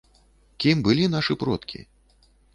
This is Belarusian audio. Кім былі нашы продкі?